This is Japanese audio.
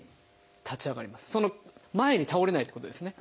前に倒れないってことですね。